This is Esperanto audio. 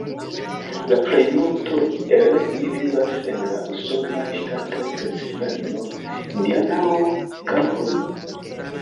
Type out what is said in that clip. La plejmulto el ili vivas en la Usonaj ŝtatoj Pensilvanio, Indianao, kaj Ohio.